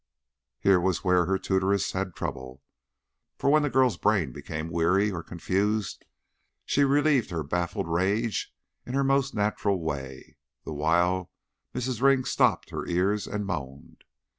Here was where her tutoress had trouble, for when the girl's brain became weary or confused she relieved her baffled rage in her most natural way, the while Mrs. Ring stopped her ears and moaned.